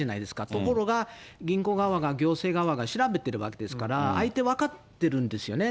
ところが、銀行側が、行政側が調べてるわけですから、相手、分かってるんですよね。